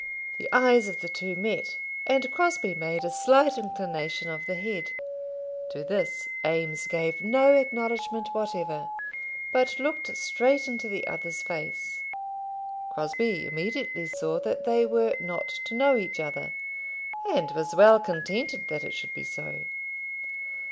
The eyes of the two met, and Crosbie made a slight inclination of his head. To this Eames gave no acknowledgment whatever, but looked straight into the other's face. Crosbie immediately saw that they were not to know each other, and was well contented that it should be so.